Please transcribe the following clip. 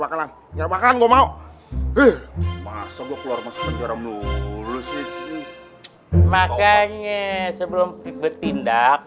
bakalan enggak bakalan gua mau eh masa gua keluar masuk penjara melulus makanya sebelum bertindak